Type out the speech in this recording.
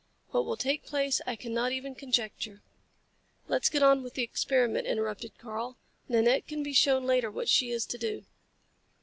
What will take place I cannot even conjecture." "Let's get on with the experiment," interrupted Karl. "Nanette can be shown later what she is to do."